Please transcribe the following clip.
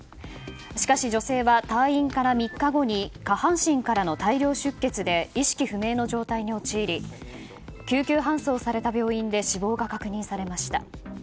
しかし女性は退院から３日後に下半身からの大量出血で意識不明の状態に陥り救急搬送された病院で死亡が確認されました。